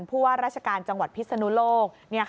ผู้ว่าราชการจังหวัดพิศนุโลก